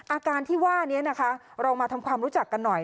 อาการที่ว่านี้นะคะเรามาทำความรู้จักกันหน่อย